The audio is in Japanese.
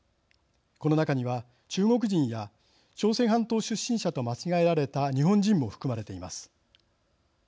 この中には中国人や朝鮮半島出身者と間違えられた日本人も含まれています。